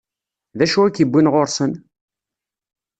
D acu i k-iwwin ɣur-sen?